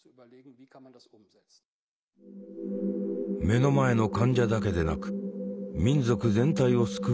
「目の前の患者だけでなく民族全体を救うことができる」。